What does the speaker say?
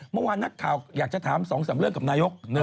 มันว่านักข่าวอยากจะถามสองสามเรื่องแบบนายก